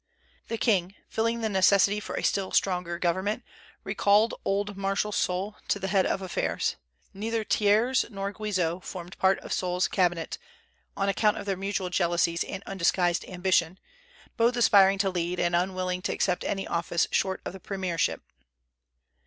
The king, feeling the necessity for a still stronger government, recalled old Marshal Soult to the head of affairs. Neither Thiers nor Guizot formed part of Soult's cabinet, on account of their mutual jealousies and undisguised ambition, both aspiring to lead, and unwilling to accept any office short of the premiership.